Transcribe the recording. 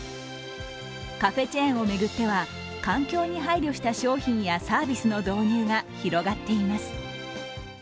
カフェチェーンを巡っては環境に配慮した商品やサービスの導入が広がっています。